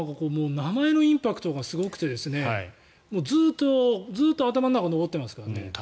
名前のインパクトがすごくてずっと頭の中に残ってますから。